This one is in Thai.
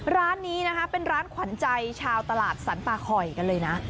ร้านนี้นะคะเป็นร้านขวัญใจชาวตลาดสรรปาคอยกันเลยนะ